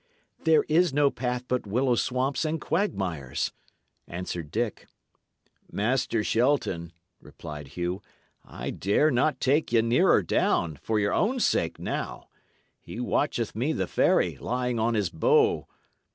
"Here is no path but willow swamps and quagmires," answered Dick. "Master Shelton," replied Hugh, "I dare not take ye nearer down, for your own sake now. He watcheth me the ferry, lying on his bow.